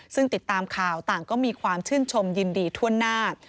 ซึ่งติดตามข่าวต่างก็มีความชื่นชมยินดีทั่วหน้า